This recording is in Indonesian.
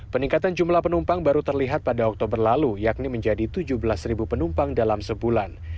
peningkatan jumlah penumpang baru terlihat pada oktober lalu yakni menjadi tujuh belas penumpang dalam sebulan